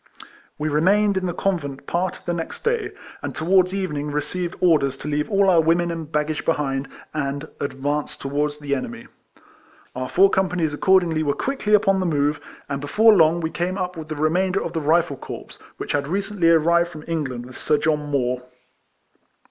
We remained in the convent part of the next day, and towards evening received orders to leave all our women and baggage behind, and advance towards the enemy. Our four companies accordingly were quickly upon the move, and before long we came up with the remainder of the Rifle corps, which had recently arrived from England with Sir 160 RECOLLECTIONS OF John Moore.